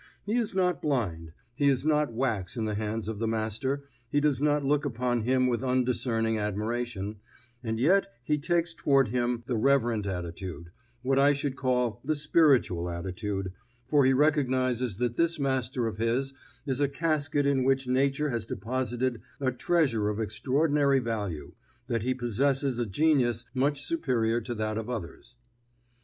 He is not blind, he is not wax in the hands of the master, he does not look upon him with undiscerning admiration, and yet he takes toward him the reverent attitude what I should call the spiritual attitude for he recognizes that this master of his is a casket in which nature has deposited a treasure of extraordinary value, that he possesses a genius much superior to that of others.